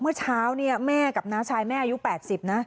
เมื่อเช้าเนี่ยแม่กับน้าชายแม่อายุ๘๐นะ